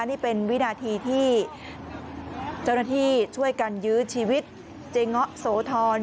นี่เป็นวินาทีที่เจ้าหน้าที่ช่วยกันยื้อชีวิตเจ๊เงาะโสธร